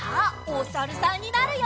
おさるさん。